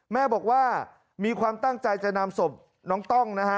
แม่บอกว่ามีความตั้งใจจะนำศพน้องต้องนะฮะ